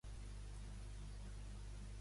I en alguna obra cinematogràfica?